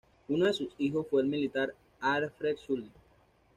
Uno de sus hijos fue el militar Alfred Sully.